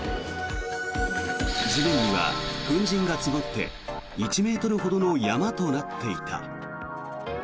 地面には粉じんが積もって１ｍほどの山となっていた。